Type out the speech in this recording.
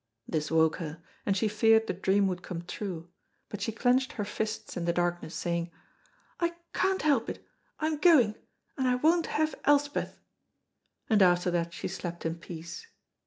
This woke her, and she feared the dream would come true, but she clenched her fists in the darkness, saying, "I can't help it, I am going, and I won't have Elspeth," and after that she slept in peace.